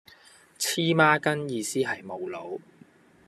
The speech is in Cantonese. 黐孖根意思係無腦